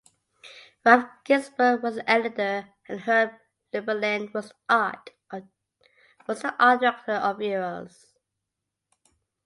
Ralph Ginzburg was the editor and Herb Lubalin was the art director of "Eros".